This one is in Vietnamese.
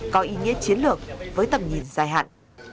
có ý nghĩa chiến lược với tầm nhìn dài hạn